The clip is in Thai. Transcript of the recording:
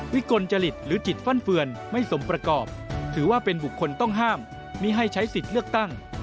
กลจริตหรือจิตฟั่นเฟือนไม่สมประกอบถือว่าเป็นบุคคลต้องห้ามไม่ให้ใช้สิทธิ์เลือกตั้ง